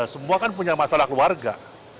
semua kan punya masalah keluarga